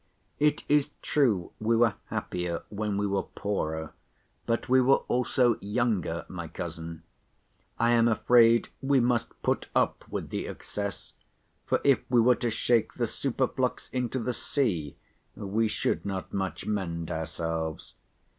"It is true we were happier when we were poorer, but we were also younger, my cousin. I am afraid we must put up with the excess, for if we were to shake the superflux into the sea, we should not much mend ourselves.